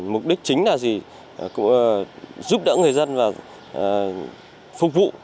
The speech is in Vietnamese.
mục đích chính là giúp đỡ người dân và phục vụ